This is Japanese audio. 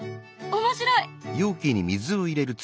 面白い！